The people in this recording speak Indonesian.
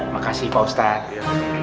makasih pak ustadz